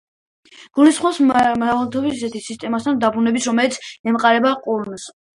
გულისხმობს მმართველობის ისეთ სისტემასთან დაბრუნებას, რომელიც ემყარება ყურანს.